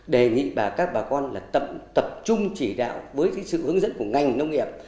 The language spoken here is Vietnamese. đề nghị bà các bà con là tập trung chỉ đạo với sự hướng dẫn của ngành nông nghiệp